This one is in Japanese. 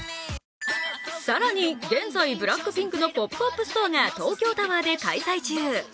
更に、現在ＢＬＡＣＫＰＩＮＫのポップアップストアが東京タワーで開催中。